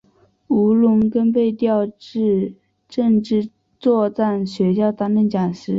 吴荣根被调至政治作战学校担任讲师。